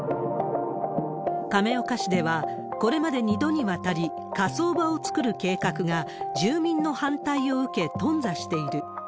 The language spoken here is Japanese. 亀岡市では、これまで２度にわたり火葬場を造る計画が住民の反対を受け、とん挫している。